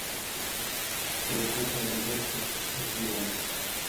لہ بے بادِگر ݜس غلطی نېرگ۔